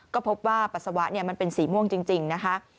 ก็พบว่าปัสสาวะมันเป็นสีม่วงจริงนะคะ